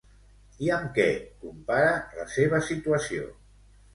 I amb què compara la seva situació?